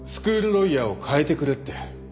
ロイヤーを代えてくれって。